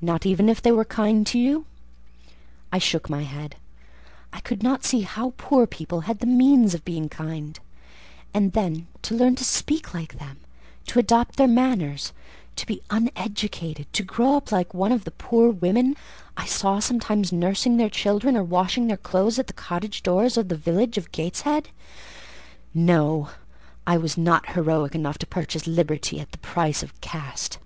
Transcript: "Not even if they were kind to you?" I shook my head: I could not see how poor people had the means of being kind; and then to learn to speak like them, to adopt their manners, to be uneducated, to grow up like one of the poor women I saw sometimes nursing their children or washing their clothes at the cottage doors of the village of Gateshead: no, I was not heroic enough to purchase liberty at the price of caste.